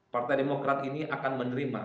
partai demokrat ini akan menerima